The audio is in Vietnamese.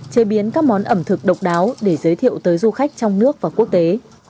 chế biến các món ẩm thực độc đáo để giới thiệu tới du khách trong nước và quốc tế